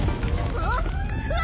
うわ！